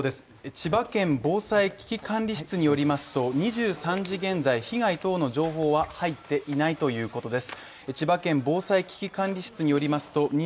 千葉県防災危機管理室によりますと２３時現在、被害等の情報は入っていないということです。